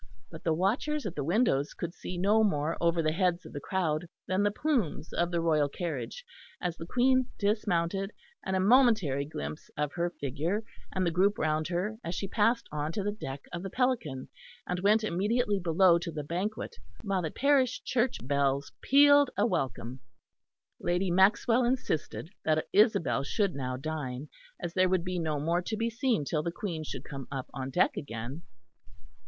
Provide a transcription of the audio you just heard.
But the watchers at the windows could see no more over the heads of the crowd than the plumes of the royal carriage, as the Queen dismounted, and a momentary glimpse of her figure and the group round her as she passed on to the deck of the Pelican and went immediately below to the banquet, while the parish church bells pealed a welcome. Lady Maxwell insisted that Isabel should now dine, as there would be no more to be seen till the Queen should come up on deck again.